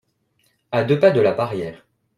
À deux pas de la barrière.